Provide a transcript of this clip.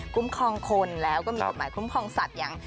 คุ้มครองคนแล้วก็มีกฎหมายคุ้มครองสัตว์อย่าง